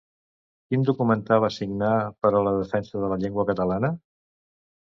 Quin documentar va signar per a la defensa de la llengua catalana?